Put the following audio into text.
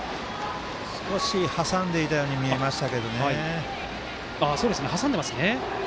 少し挟んでいたように見えました。